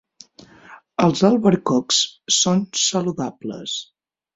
Els albercocs són saludables.